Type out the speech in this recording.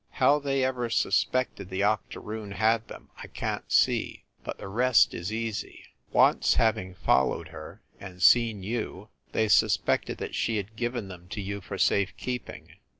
How they ever suspected the octoroon had them I can t see, but the rest is easy. Once having followed her, and seen you, they suspected that she had given them to you for safe keeping.